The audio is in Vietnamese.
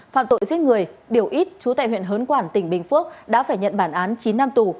phạm tội giết người điều ít chú tại huyện hớn quản tỉnh bình phước đã phải nhận bản án chín năm tù